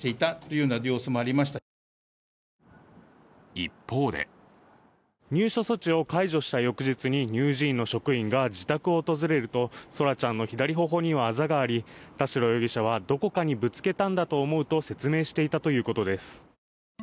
一方で入所措置を解除した翌日に乳児院の職員が自宅を訪れると空来ちゃんの左頬にはあざがあり、田代容疑者はどこかにぶつけたんだと思うと説明していたということです。